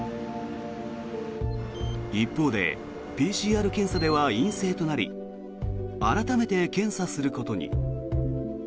一方でＰＣＲ検査では陰性となり改めて検査することに。